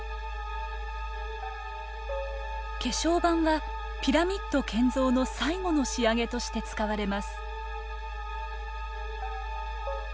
化粧板はピラミッド建造の最後の仕上げとして使われます。